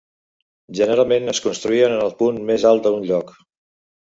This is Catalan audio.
Generalment es construïen en el punt més alt d'un lloc.